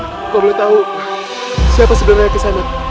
gue belum tahu siapa sebenarnya kisah anak